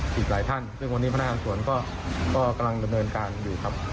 ผิดหลายท่านซึ่งวันนี้พนธนาคารสวนก็ก็กำลังเกิดเงินการอยู่ครับ